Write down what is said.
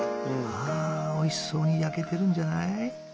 ああおいしそうに焼けてるんじゃない？